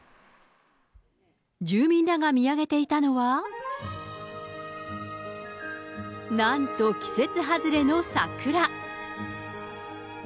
住民らが見上げていたのは、なんと季節外れの桜。